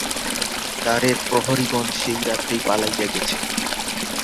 দ্বারের প্রহরিগণ সেই রাত্রেই পালাইয়া গেছে।